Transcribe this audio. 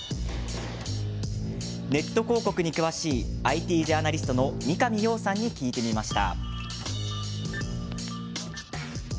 ネット広告に詳しいＩＴジャーナリストの三上洋さんに聞いてみました。